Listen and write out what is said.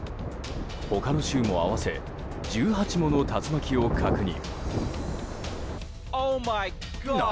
他の州も合わせ１８もの竜巻を確認。